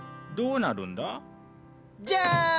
どうなるんだ？じゃん！